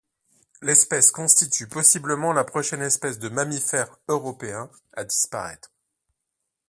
L'espèce constitue possiblement la prochaine espèce de mammifères européens à disparaître.